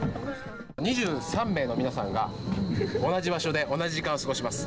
２３名の皆さんが同じ場所で同じ時間を過ごします。